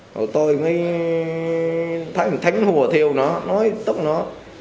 hồi tôi mới thấy một thánh hùa thiêu nó nói tức nó